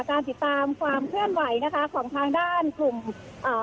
การติดตามความเคลื่อนไหวนะคะของทางด้านกลุ่มอ่า